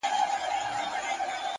هره هڅه د سبا لپاره تخم شیندي